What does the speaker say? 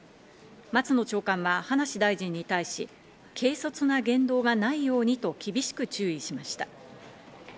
松野長官は葉梨大臣に対し、軽率な言動がないようにと厳しく注意しました。